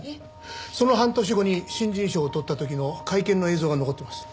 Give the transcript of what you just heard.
その半年後に新人賞を取った時の会見の映像が残っています。